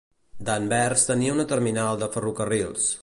Danvers tenia una terminal de ferrocarrils.